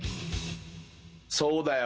そうだよ。